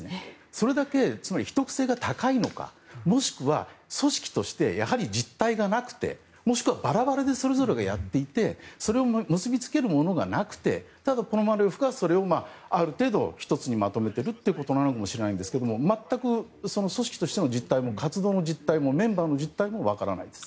それだけ、秘匿性が高いのかもしくは組織として実態がなくてもしくはバラバラでそれぞれがやっていてそれを結びつけるものがなくてただ、ポノマリョフがそれを、ある程度１つにまとめているということなのかもしれないんですが全く、組織としての実態も活動の実態もメンバーの実態も分からないです。